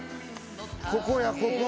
ここやここ。